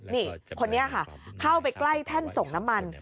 นี่คนนี้ค่ะเข้าไปใกล้แท่นส่งน้ำมัน